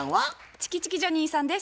チキチキジョニーさんです。